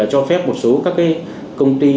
cho phép một số các công ty